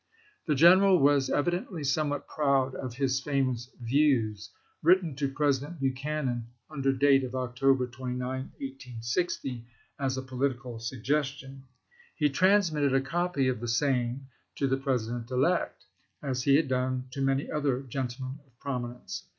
The general was evi dently somewhat proud of his famous "Views," written to President Buchanan under date of Octo ber 29, 1860, as a political suggestion. He trans mitted a copy of the same to the President elect, as he had done to many other gentlemen of prominence.